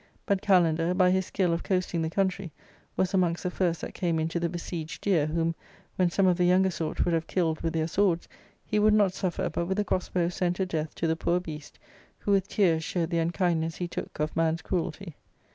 But Kalander, by his skill of coasting the country, was amongst the first that came into the besieged deer, whom, when some of the younger sort would have killed with their swords, he would not suffer, but with a cross bow sent a death to the poor beast, who with tears showed the unkindness he took of man's cruelty.